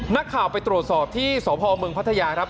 นักข่าวไปตรวจสอบที่สพเมืองพัทยาครับ